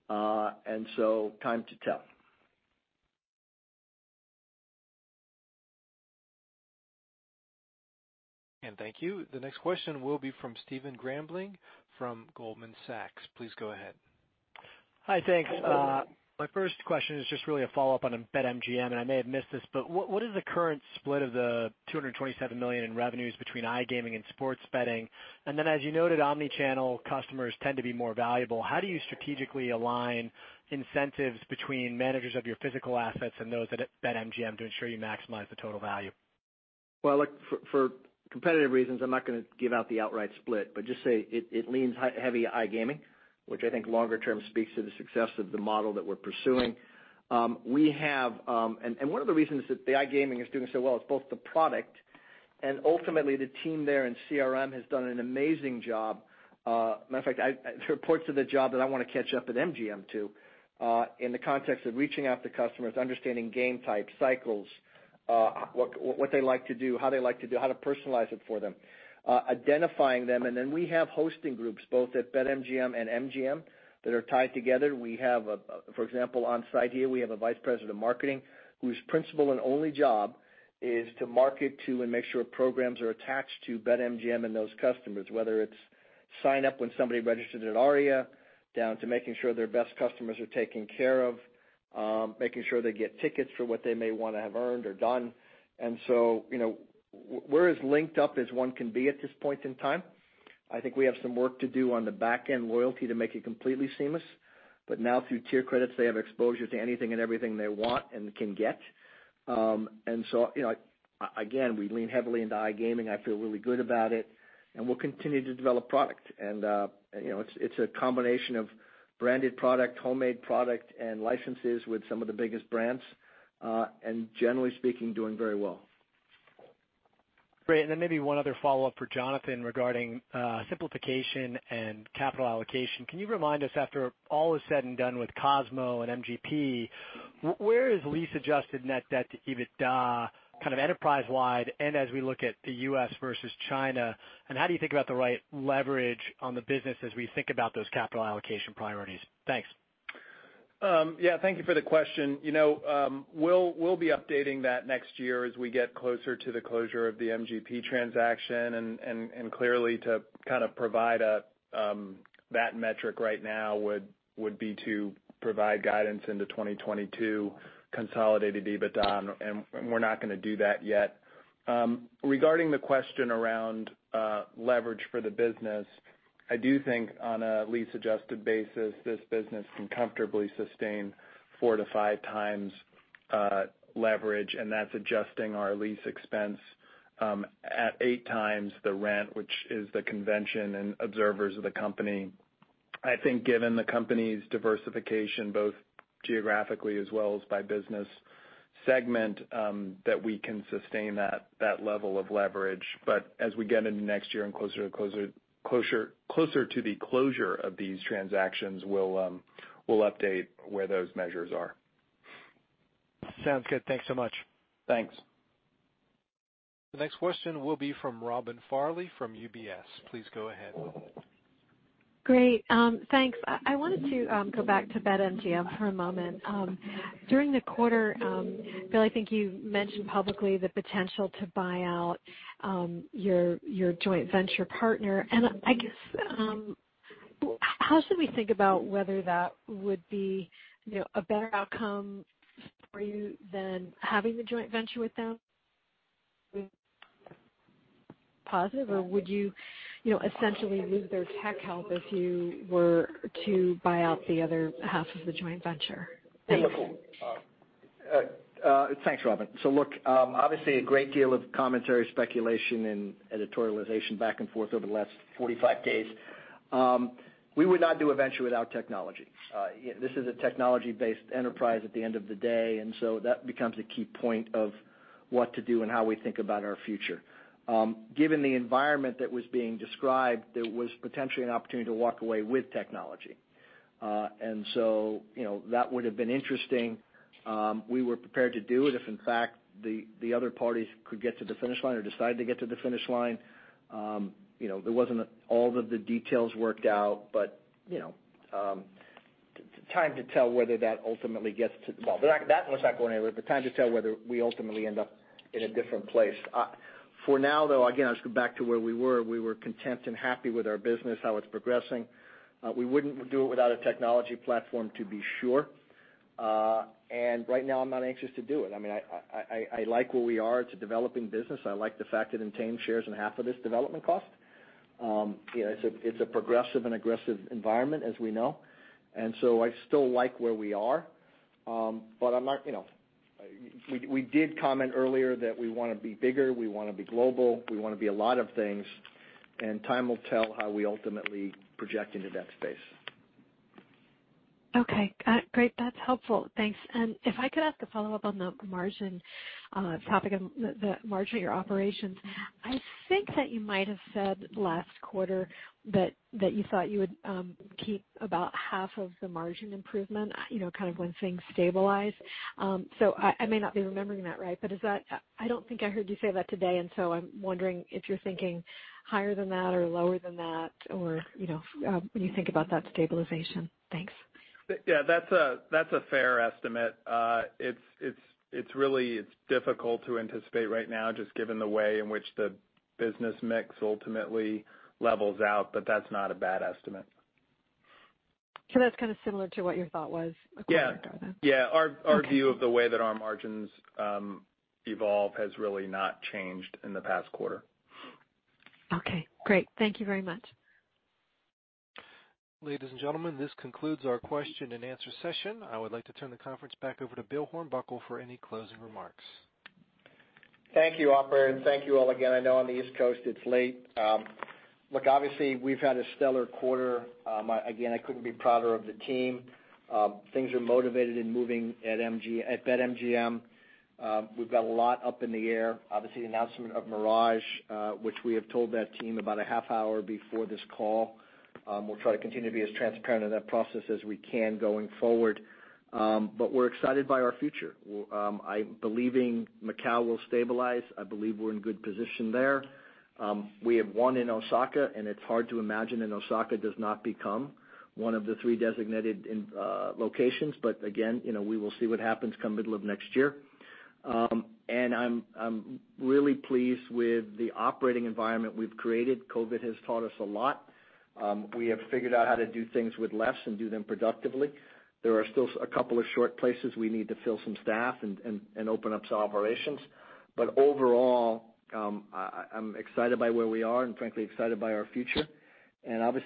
Time to tell. Thank you. The next question will be from Stephen Grambling from Goldman Sachs. Please go ahead. Hi. Thanks. My first question is just really a follow-up on BetMGM, and I may have missed this, but what is the current split of the $227 million in revenues between iGaming and sports betting? And then as you noted, omni-channel customers tend to be more valuable. How do you strategically align incentives between managers of your physical assets and those at BetMGM to ensure you maximize the total value? Well, look, for competitive reasons, I'm not gonna give out the outright split, but just say it leans heavy iGaming, which I think longer term speaks to the success of the model that we're pursuing. One of the reasons that the iGaming is doing so well is both the product and ultimately the team there in CRM has done an amazing job. Matter of fact, I hear reports on the job that I wanna catch up on at MGM too, in the context of reaching out to customers, understanding game type cycles, what they like to do, how they like to do, how to personalize it for them, identifying them. Then we have hosting groups both at BetMGM and MGM that are tied together. We have, for example, on site here, we have a Vice President of marketing whose principal and only job is to market to and make sure programs are attached to BetMGM and those customers, whether it's sign up when somebody registered at Aria, down to making sure their best customers are taken care of, making sure they get tickets for what they may wanna have earned or done. You know, we're as linked up as one can be at this point in time. I think we have some work to do on the back-end loyalty to make it completely seamless. But now through tier credits, they have exposure to anything and everything they want and can get. You know, again, we lean heavily into iGaming. I feel really good about it, and we'll continue to develop product. You know, it's a combination of branded product, homemade product, and licenses with some of the biggest brands. Generally speaking, doing very well. Great. Maybe one other follow-up for Jonathan regarding simplification and capital allocation. Can you remind us, after all is said and done with The Cosmopolitan of Las Vegas and MGP, where is lease adjusted net debt to EBITDA kind of enterprise-wide, and as we look at the U.S. versus China? How do you think about the right leverage on the business as we think about those capital allocation priorities? Thanks. Yeah, thank you for the question. You know, we'll be updating that next year as we get closer to the closure of the MGP transaction. Clearly to kind of provide that metric right now would be to provide guidance into 2022 consolidated EBITDA, and we're not gonna do that yet. Regarding the question around, Leverage for the business. I do think on a lease-adjusted basis, this business can comfortably sustain 4-5x leverage, and that's adjusting our lease expense at 8x the rent, which is the convention observed by the company. I think given the company's diversification both geographically as well as by business segment, that we can sustain that level of leverage. But as we get into next year and closer to the closure of these transactions, we'll update where those measures are. Sounds good. Thanks so much. Thanks. The next question will be from Robin Farley from UBS. Please go ahead. Great. Thanks. I wanted to go back to BetMGM for a moment. During the quarter, Bill, I think you mentioned publicly the potential to buy out your joint venture partner. I guess, how should we think about whether that would be, you know, a better outcome for you than having a joint venture with them? Positive, or would you know, essentially lose their tech help if you were to buy out the other half of the joint venture? Thanks. Thanks, Robin. Look, obviously a great deal of commentary, speculation and editorialization back and forth over the last 45 days. We would not do a venture without technology. This is a technology-based enterprise at the end of the day, and so that becomes a key point of what to do and how we think about our future. Given the environment that was being described, there was potentially an opportunity to walk away with technology. You know, that would have been interesting. We were prepared to do it if in fact the other parties could get to the finish line or decide to get to the finish line. You know, there wasn't all of the details worked out, but, you know, time to tell whether that ultimately gets to. Well, that one's not going anywhere, but time will tell whether we ultimately end up in a different place. For now, though, again, I'll just go back to where we were. We were content and happy with our business, how it's progressing. We wouldn't do it without a technology platform, to be sure. Right now, I'm not anxious to do it. I mean, I like where we are. It's a developing business. I like the fact that it entails shares in half of this development cost. You know, it's a progressive and aggressive environment, as we know. I still like where we are, but I'm not, you know. We did comment earlier that we wanna be bigger, we wanna be global, we wanna be a lot of things, and time will tell how we ultimately project into that space. Great. That's helpful. Thanks. If I could ask a follow-up on the margin topic of the margin, your operations. I think that you might have said last quarter that you thought you would keep about half of the margin improvement, you know, kind of when things stabilize. I may not be remembering that right, but is that? I don't think I heard you say that today, and I'm wondering if you're thinking higher than that or lower than that or, you know, when you think about that stabilization. Thanks. Yeah, that's a fair estimate. It's really difficult to anticipate right now just given the way in which the business mix ultimately levels out, but that's not a bad estimate. That's kinda similar to what your thought was a quarter ago then? Yeah. Yeah. Okay. Our view of the way that our margins evolve has really not changed in the past quarter. Okay, great. Thank you very much. Ladies and gentlemen, this concludes our question-and-answer session. I would like to turn the conference back over to Bill Hornbuckle for any closing remarks. Thank you, operator. Thank you all again. I know on the East Coast, it's late. Look, obviously, we've had a stellar quarter. Again, I couldn't be prouder of the team. Things are motivated and moving at BetMGM. We've got a lot up in the air. Obviously, the announcement of Mirage, which we have told that team about a half hour before this call. We'll try to continue to be as transparent in that process as we can going forward. We're excited by our future. I'm believing Macau will stabilize. I believe we're in good position there. We have won in Osaka, and it's hard to imagine that Osaka does not become one of the three designated locations. Again, you know, we will see what happens come middle of next year. I'm really pleased with the operating environment we've created. COVID has taught us a lot. We have figured out how to do things with less and do them productively. There are still a couple of short places we need to fill some staff and open up some operations. But overall, I'm excited by where we are and frankly excited by our future.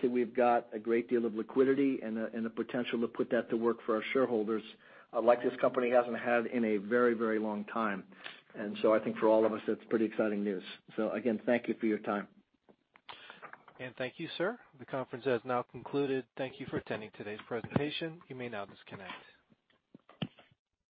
We've got a great deal of liquidity and the potential to put that to work for our shareholders like this company hasn't had in a very, very long time. I think for all of us, that's pretty exciting news. Again, thank you for your time. Thank you, sir. The conference has now concluded. Thank you for attending today's presentation. You may now disconnect.